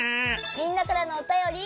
みんなからのおたより。